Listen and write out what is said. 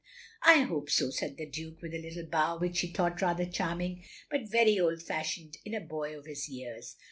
" I hope so, " said the Duke, with a little bow which she thought rather charming, but very old fashioned in a boy of his years.